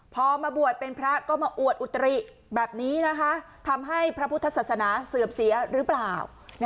พอมาบวชเป็นพระก็มาอวดอุตริแบบนี้ทำให้พระพุทธศาสนาเสื่อมเสียหรือเปล่า